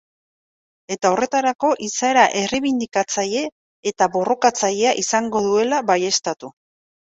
Eta horretarako izaera erreibindikatzailea eta borrokatzailea izango zuela baieztatu.